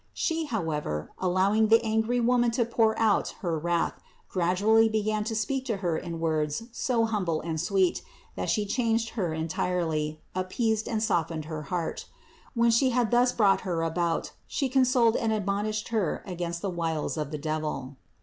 She, however, allowing the angry woman to pour out her wrath gradually began to speak to her in words so humble and sweet, that She changed her entirely, ap peased and softened her heart. When She had thus brought her about, She consoled and admonished her against the wiles of the devil.